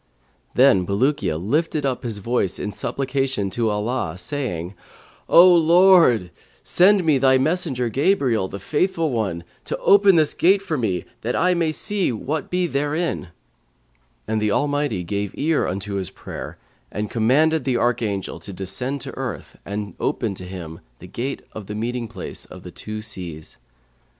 Then Bulukiya lifted up his voice in supplication to Allah, saying, 'O Lord, send me thy messenger Gabriel, the Faithful One, to open for me this gate that I may see what be therein;' and the Almighty gave ear unto his prayer and commanded the Archangel to descend to earth and open to him the gate of the Meeting place of the Two Seas.